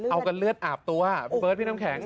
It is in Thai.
เอากันเลือดอาบตัวพี่เบิร์ดพี่น้ำแข็ง